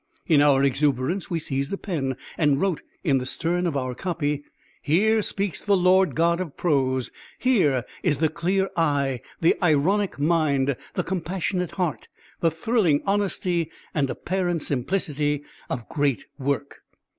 In our exuberance we seized a pen and wrote in the stern of our copy: "Here speaks the Lord God of prose; here is the clear eye, the ironic mind, the compassionate heart; the thrilling honesty and (apparent) simplicity of great work."